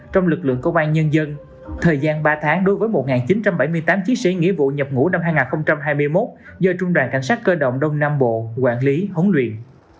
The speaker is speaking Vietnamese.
trong lực lượng công an nhân dân thời gian ba tháng đối với một chín trăm bảy mươi tám chiến sĩ nghĩa vụ nhập ngũ năm hai nghìn hai mươi một do trung đoàn cảnh sát cơ động đông nam bộ quản lý huấn luyện